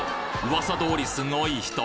噂通りすごい人！